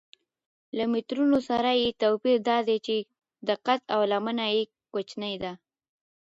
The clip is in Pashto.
له مترونو سره یې توپیر دا دی چې دقت او لمنه یې کوچنۍ ده.